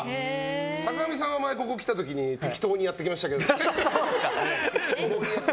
坂上さんは前、ここに来た時に適当にやっていきましたけど。